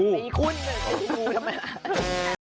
ปีคุณปีงูทำไมล่ะ